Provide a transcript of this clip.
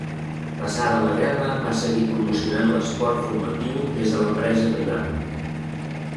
Passada la guerra va seguir promocionant l'esport formatiu des de l'empresa privada.